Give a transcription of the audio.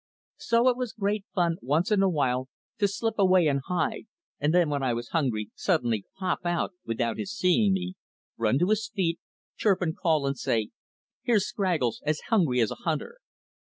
So it was great fun once in a while to slip away and hide, and then when I was hungry suddenly pop out (without his seeing me), run to his feet, chirp and call, and say: "Here's Scraggles, as hungry as a hunter."